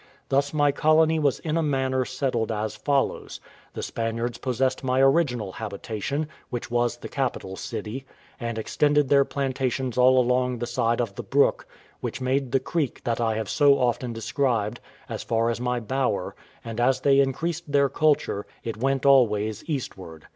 Thus my colony was in a manner settled as follows: The Spaniards possessed my original habitation, which was the capital city, and extended their plantations all along the side of the brook, which made the creek that I have so often described, as far as my bower; and as they increased their culture, it went always eastward.